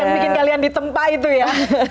bikin kalian ditempa itu ya